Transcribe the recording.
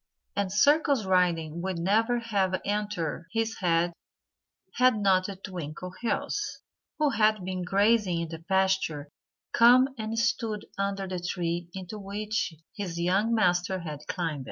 And circus riding would never have entered his head had not Twinkleheels, who had been grazing in the pasture, come and stood under the tree into which his young master had climbed.